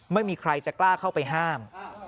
ไม่มีใครจะกล้าเข้าไปห้าม